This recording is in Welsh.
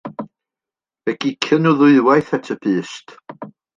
Fe gicion nhw ddwywaith at y pyst.